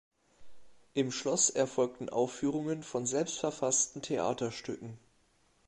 Im Schloss erfolgten Aufführungen von selbstverfassten Theaterstücken.